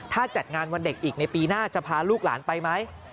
ถ้าจัดงานวันเด็กอีกในปีหน้าจะพาลูกหลานไปไหม